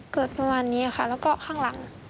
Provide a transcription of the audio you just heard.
เกิดประมาณนี้ค่ะแล้วก็ข้างหลัง